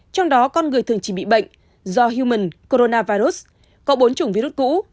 trong đó con người thường chỉ bị bệnh do human coronavirus có bốn chủng virus cũ